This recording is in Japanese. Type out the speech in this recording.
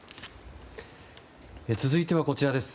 続いてはこちらです。